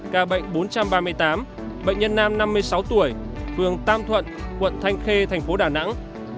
ca bệnh bốn trăm ba mươi tám bệnh nhân nam năm mươi sáu tuổi phường tam thuận quận thanh khê thành phố đà nẵng